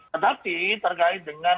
tetapi terkait dengan